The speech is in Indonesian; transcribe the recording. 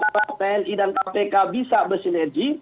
kalau memang diantara tni dan kpk bisa bersinergi